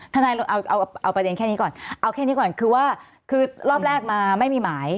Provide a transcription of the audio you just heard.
ทนายเราเอาประเด็นแค่นี้ก่อนเอาแค่นี้ก่อนคือว่าคือรอบแรกมาไม่มีหมาย